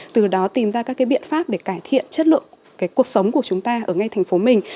từ đó tìm ra các biện pháp để cải thiện chất lượng cuộc sống của chúng ta ở ngay thành phố mình